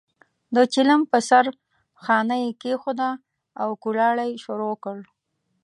د چلم په سر خانۍ یې کېښوده او کوړاړی یې شروع کړ.